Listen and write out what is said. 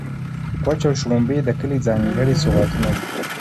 کوچ او شړومبې د کلي ځانګړي سوغاتونه دي.